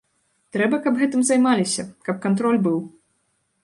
Трэба, каб гэтым займаліся, каб кантроль быў.